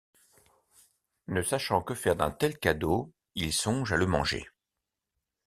Ne sachant que faire d'un tel cadeau, il songe à le manger.